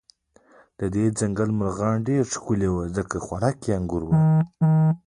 د دې ځنګل مرغان به ډېر ښکلي و، ځکه خوراکه یې انګور ول.